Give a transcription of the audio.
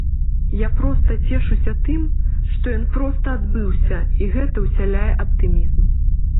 Я проста цешуся тым, што ён проста адбыўся, і гэта ўсяляе аптымізм.